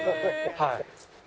はい。